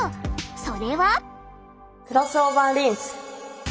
それは。